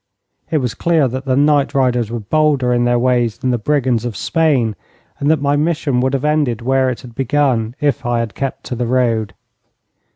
It was clear that the night riders were bolder in their ways than the brigands of Spain, and that my mission would have ended where it had begun if I had kept to the road.